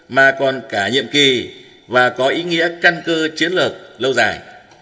mà còn cả nhiệm kỳ và có ý nghĩa căn cơ chiến lược lâu dài